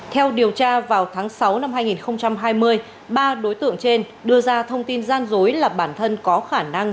theo điều tra vào tháng sáu năm hai nghìn hai mươi ba đối tượng trên đưa ra thông tin gian dối là bản thân có khả năng